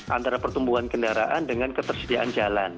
antara pertumbuhan kendaraan dengan ketersediaan jalan